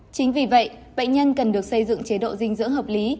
chính vì vậy bệnh nhân cần được xây dựng chế độ dinh dưỡng hợp lý